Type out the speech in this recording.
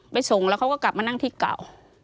ส่งแล้วเขาก็กลับมานั่งที่เก่า